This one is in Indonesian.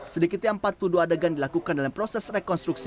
sedikitnya empat tuduh adegan dilakukan dalam proses rekonstruksi